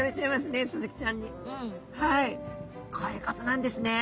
はいこういうことなんですね。